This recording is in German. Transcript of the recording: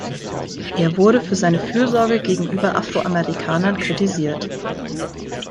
Er wurde für seine Fürsorge gegenüber Afroamerikanern kritisiert.